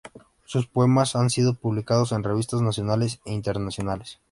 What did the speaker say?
Sus poemas han sido publicados en revistas nacionales e internacionales.